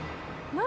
何？